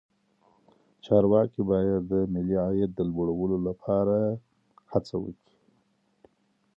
چارواکي باید د ملي عاید د لوړولو لپاره هڅه وکړي.